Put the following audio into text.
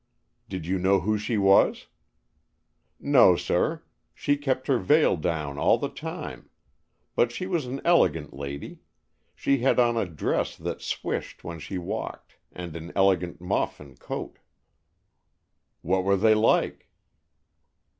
"Did you know who she was?" "No, sir, she kept her veil down all the time. But she was an elegant lady. She had on a dress that swished when she walked, and an elegant muff and coat." "What were they like?"